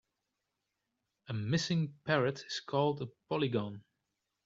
A missing parrot is called a polygon.